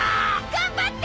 頑張って！